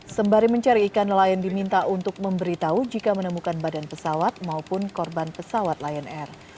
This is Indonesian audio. sembari mencari ikan nelayan diminta untuk memberitahu jika menemukan badan pesawat maupun korban pesawat lion air